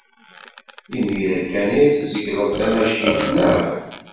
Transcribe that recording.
Imir-a kan ay tzegleḍ tamacint, naɣ?